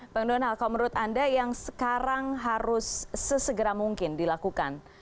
bang donald kalau menurut anda yang sekarang harus sesegera mungkin dilakukan